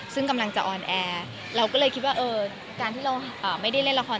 ซึ่งกำลังจะออนแอร์เราก็เลยคิดว่าเออการที่เราไม่ได้เล่นละคร